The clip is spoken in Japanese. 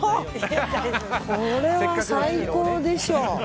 これは最高でしょう。